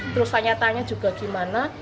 terus tanya tanya juga gimana